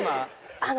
あの。